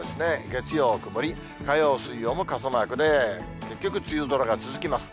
月曜曇り、火曜、水曜も傘マークで、結局、梅雨空が続きます。